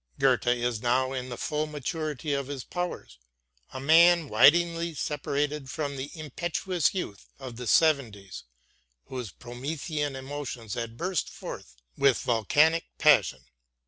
Goethe was now in the full maturity of his powers, a man widely separated from the impetuous youth of the seventies whose Promethean emotions had burst forth with volcanic passion.